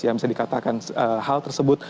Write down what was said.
yang bisa dikatakan hal tersebut